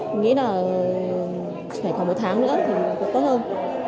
mình nghĩ là phải một tháng nữa thì cũng tốt hơn